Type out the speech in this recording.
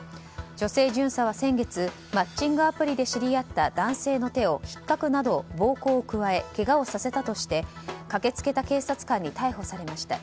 女性巡査は先月マッチングアプリで知り合った男性の手をひっかくなど暴行を加えけがをさせたとして駆けつけた警察官に逮捕されました。